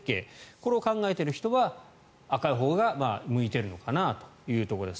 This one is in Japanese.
これを考えている人は赤いほうが向いているかなということです。